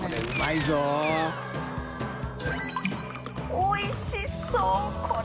おいしそうこれ。